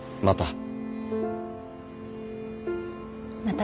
また！